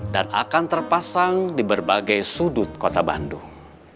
akan terpasang di berbagai sudut kota bandung